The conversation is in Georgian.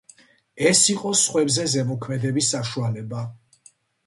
ეს იყო სხვებზე ზემოქმედების საშუალება.